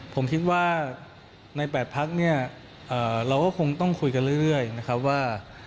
ผมคิดว่าในแปดพักเราก็คงต้องคุยกันเรื่อยว่า